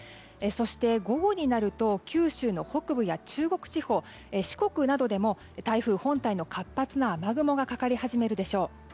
そして、午後になると九州の北部や中国地方、四国などでも台風本体の活発な雨雲がかかり始めるでしょう。